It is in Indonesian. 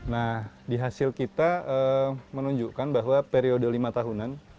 nah di hasil kita menunjukkan bahwa periode lima tahunan